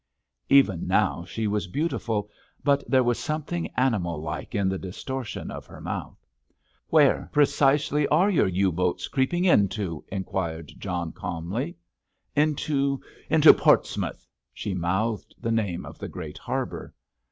Even now she was beautiful, but there was something animal like in the distortion of her mouth. "Where, precisely, are your U boats creeping into?" inquired John calmly. "Into—into Portsmouth." She mouthed the name of the great harbour.